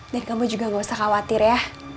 dan kamu juga gak usah khawatir ya